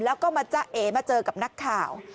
แล้วก็มาจ้าเอ๋มาเจอกับนักข่าว